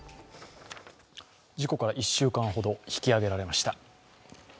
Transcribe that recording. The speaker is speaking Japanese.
事故から１週間ほど引き揚げられました。